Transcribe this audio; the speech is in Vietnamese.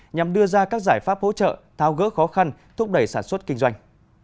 nhằm đưa ra các giải pháp hỗ trợ thao gỡ khó khăn thúc đẩy sản xuất kinh doanh